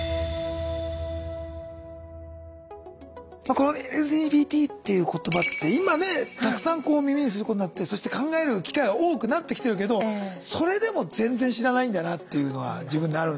この「ＬＧＢＴ」っていう言葉って今ねたくさん耳にすることになってそして考える機会は多くなってきてるけどそれでも全然知らないんだよなっていうのは自分であるんですよね。